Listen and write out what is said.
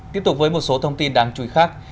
tiếp tục với một số thông tin đáng chú ý khác